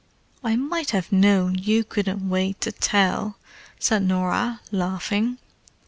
"I might have known you couldn't wait to tell," said Norah, laughing.